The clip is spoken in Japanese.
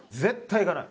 「行かない」。